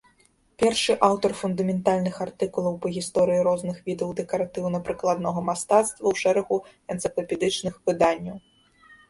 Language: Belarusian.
Першы аўтар фундаментальных артыкулаў па гісторыі розных відаў дэкаратыўна-прыкладнога мастацтва ў шэрагу энцыклапедычных выданняў.